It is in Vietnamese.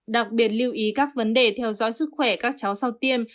đặc biệt lưu ý các vấn đề theo dõi sức khỏe các cháu sau tiêm